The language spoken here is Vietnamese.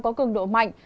có cường độ mạnh